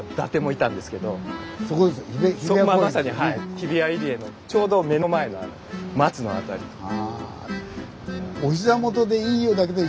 日比谷入江のちょうど目の前のあの松の辺りとか。